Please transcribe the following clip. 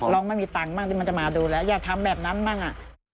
ร้องไม่มีตังค์บ้างมันจะมาดูแล้วอยากทำแบบนั้นบ้าง